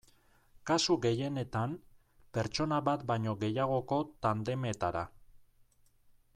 Kasu gehienetan, pertsona bat baino gehiagoko tandemetara.